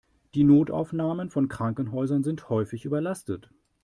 Die Notaufnahmen von Krankenhäusern sind häufig überlastet.